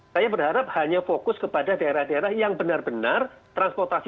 saya berharap hanya fokus kepada daerah daerah yang benar benar transportasi